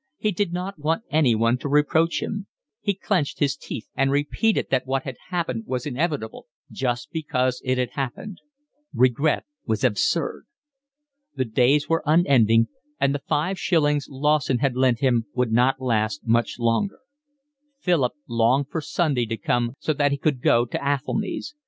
He did not want anyone to reproach him: he clenched his teeth and repeated that what had happened was inevitable just because it had happened. Regret was absurd. The days were unending, and the five shillings Lawson had lent him would not last much longer. Philip longed for Sunday to come so that he could go to Athelny's.